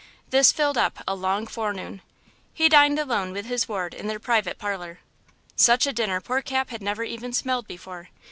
This filled up a long forenoon. He dined alone with his ward in their private parlor. Such a dinner poor Cap had never even smelled before.